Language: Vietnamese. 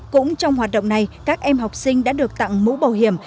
cũng trong hoạt động này các em học sinh đã được tặng mũ bảo hiểm